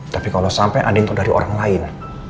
tapi kalau sampai andin tahu dari orang lain